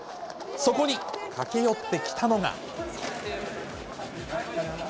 そこに駆け寄ってきたのが。